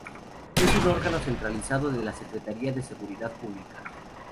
Es un órgano centralizado de la Secretaría de Seguridad Pública.